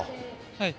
はい。